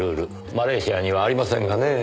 マレーシアにはありませんがねぇ。